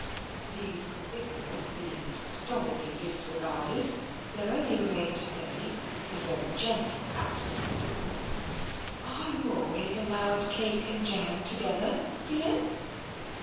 These signals being stolidly disregarded, there only remained to say, in very gentle accents :Are you always allowed cake and jam together, dear?"